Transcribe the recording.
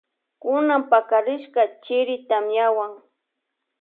Kuna pakarishka chiri tamiawan.